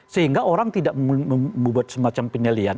sehingga orang tidak membuat semacam penilaian